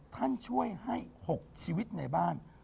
ท่านช่วยให้๖ชีวิตในบ้าน